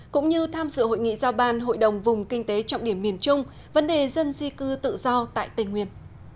cũng như tham dự hội nghị giao ban hội đồng vùng kinh tế trọng điểm miền trung vấn đề dân di cư tự do tại tây nguyên